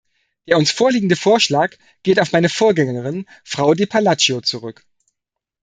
Der uns vorliegende Vorschlag geht auf meine Vorgängerin, Frau de Palacio, zurück.